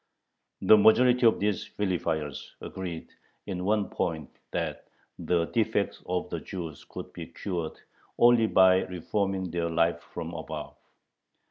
The majority of these vilifiers agreed in one point, that the defects of the Jews could be cured only by "reforming" their life from above.